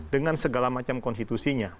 dengan segala macam konstitusinya